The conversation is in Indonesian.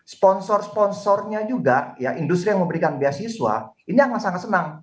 sponsor sponsornya juga ya industri yang memberikan beasiswa ini akan sangat senang